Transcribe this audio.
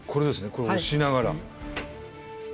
これ押しながら。